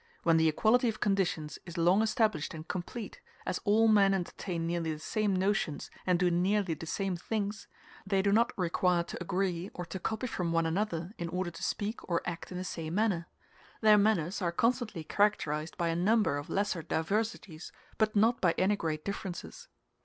When the equality of conditions is long established and complete, as all men entertain nearly the same notions and do nearly the same things, they do not require to agree or to copy from one another in order to speak or act in the same manner: their manners are constantly characterized by a number of lesser diversities, but not by any great differences.